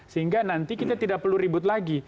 sehingga nanti kita tidak perlu ribut lagi